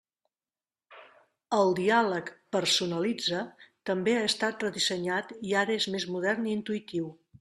El diàleg «Personalitza» també ha estat redissenyat i ara és més modern i intuïtiu.